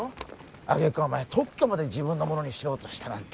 あげく特許まで自分のものにしようとしたなんて